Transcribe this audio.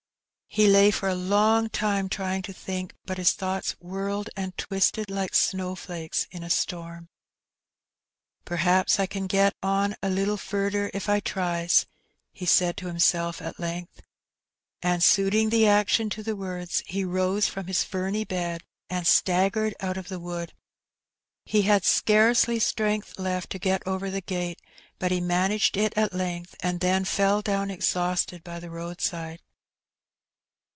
He lay for a long The Boeder Land. 215 time trjring to think, but his thoughts whirled and twisted like snowflakes in a storm. '^P'r^aps I kin get on a little fiirder if I tries/* he said to himself at length, and suiting the action to the words, lie rose from his ferny bed and staggered out of the wood. He had scarcely strength left to get over the gate, but he managed it at length, and then fell down exhausted by the roadside.